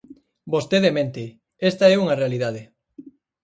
Vostede mente, esta é unha realidade.